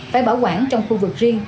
phải bảo quản trong khu vực riêng